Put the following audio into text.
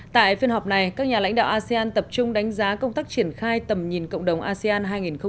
tại phiên họp này các nhà lãnh đạo asean tập trung đánh giá công tác triển khai tầm nhìn cộng đồng asean hai nghìn hai mươi năm